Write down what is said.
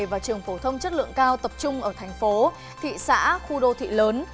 và trường phổ thông chất lượng cao tập trung ở thành phố thị xã khu đô thị lớn